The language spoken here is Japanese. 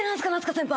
先輩。